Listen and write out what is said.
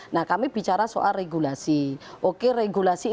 nah kami bicara soal regulasi